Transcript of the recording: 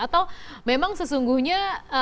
atau memang sesungguhnya